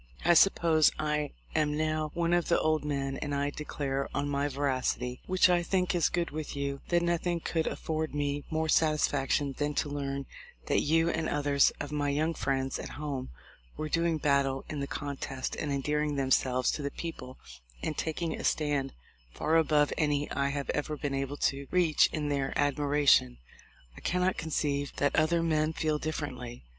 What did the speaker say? I suppose I am now one of the old men; and I declare on my veracity, which I think is good with you, that noth ing could afford me more satisfaction than to learn that you and others of my young friends at home were doing battle in the contest and endearing themselves to the people and taking a stand far above any I have ever been able to reach in their admiration. I cannot conceive that other men feel differently.